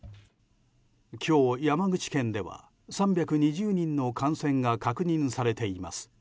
今日、山口県では３２０人の感染が確認されています。